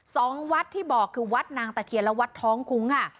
สองวัดที่บอกคือวัดนางตะเคียนและวัดท้องคุ้งค่ะ